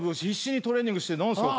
必死にトレーニングして。